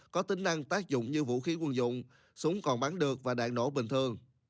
có tính năng tác dụng như vũ khí quân dụng súng còn bắn được và đạn nổ bình thường